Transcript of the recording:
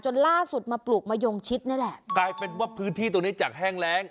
ล่าสุดมาปลูกมะยงชิดนี่แหละกลายเป็นว่าพื้นที่ตรงนี้จากแห้งแรง